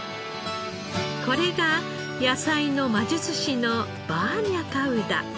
これが野菜の魔術師のバーニャカウダ。